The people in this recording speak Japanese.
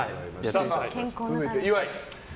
続いて、岩井。